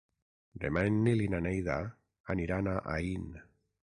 Demà en Nil i na Neida aniran a Aín.